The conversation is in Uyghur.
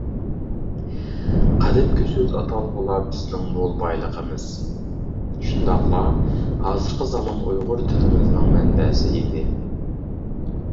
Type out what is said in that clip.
قەدىمكى سۆز- ئاتالغۇلار بىزنىڭ مول بايلىقىمىز، شۇنداقلا ھازىرقى زامان ئۇيغۇر تىلىمىزنىڭ مەنبەسى ئىدى.